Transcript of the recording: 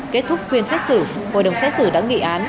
kết thúc phiên xét xử hội đồng xét xử đã nghị án